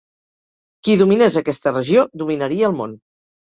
Qui dominés aquesta regió, dominaria el món.